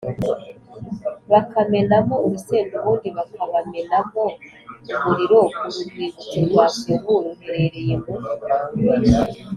bakamenamo urusenda ubundi bakabamenamo umuriro Uru rwibutso rwa Sovu ruherereye mu